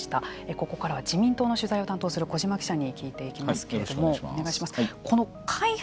ここからは自民党の取材を担当する小嶋記者に聞いていきますけれどもお願いします。